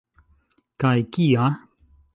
Kaj kia?